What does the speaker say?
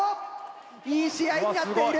いい試合になっている。